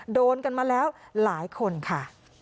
โดนกันมาแล้วหลายคนค่ะ